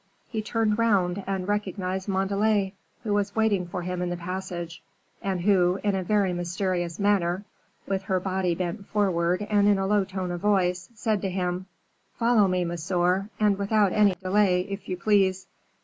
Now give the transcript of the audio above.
He turned round and recognized Montalais, who was waiting for him in the passage, and who, in a very mysterious manner, with her body bent forward, and in a low tone of voice, said to him, "Follow me, monsieur, and without any delay, if you please."